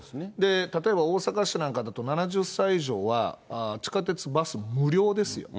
例えば大阪市なんかでも７０歳以上は地下鉄、バス無料ですよ。